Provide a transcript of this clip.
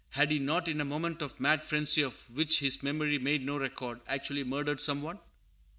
Had he not, in a moment of mad frenzy of which his memory made no record, actually murdered some one?